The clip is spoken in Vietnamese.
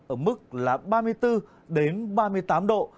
ở mức là ba mươi bốn ba mươi tám độ